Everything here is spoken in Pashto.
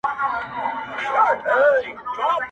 • هېره سوې د زاړه قبر جنډۍ یم -